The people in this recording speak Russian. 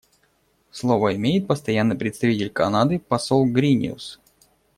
Слово имеет Постоянный представитель Канады посол Гриниус.